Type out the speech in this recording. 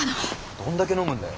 どんだけ飲むんだよ。